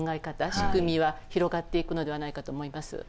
仕組みは広がっていくのではないかと思います。